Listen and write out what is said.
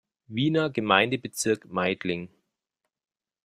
Wiener Gemeindebezirk Meidling.